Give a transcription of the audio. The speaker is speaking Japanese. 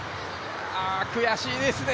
悔しいですね。